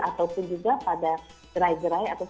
ataupun juga pada gerai gerai atau sentra vaksinasi yang dibuka